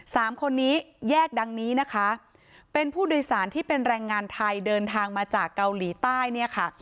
สามคนนี้แยกดังนี้นะคะเป็นผู้โดยสารที่เป็นแรงงานไทยเดินทางมาจากเกาหลีใต้เนี่ยค่ะ